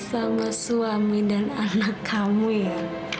sama suami dan anak kamu ya